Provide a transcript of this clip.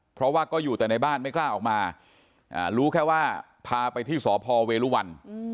เพราะว่าก็อยู่แต่ในบ้านไม่กล้าออกมารู้แค่ว่าพาไปที่สพเวรุวัน